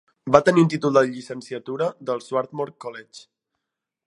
Va obtenir un títol de llicenciatura del Swarthmore College.